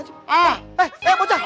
eh eh bocah